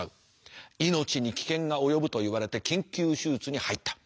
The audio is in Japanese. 命に危険が及ぶと言われて緊急手術に入った。